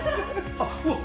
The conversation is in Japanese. あっうわあ